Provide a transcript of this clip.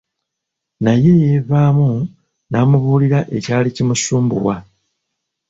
Naye yeevaamu n'amubuulira ekyali kimusumbuwa.